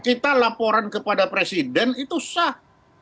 kita laporan kepada presiden itu sah